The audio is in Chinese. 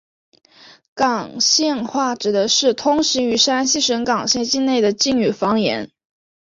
岚县话指的是通行于山西省岚县境内的晋语方言。